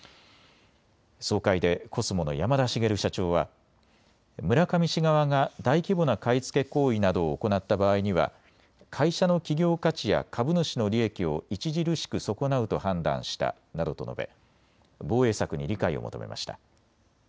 総会でコスモの山田茂社長は村上氏側が大規模な買い付け行為などを行った場合には会社の企業価値や株主の利益を著しく損なうと判断したなどと述べ防衛策に理解を求めました。